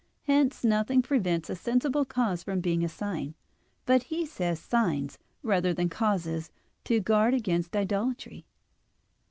Hence nothing prevents a sensible cause from being a sign. But he says "signs," rather than "causes," to guard against idolatry.